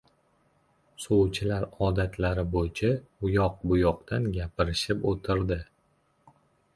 Sovchilar odatlari bo‘yicha u yoq-bu yoqdan gapirishib o‘tirdi.